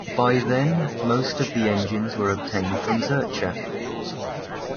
By then, most of the engines were obtained from Zurcher.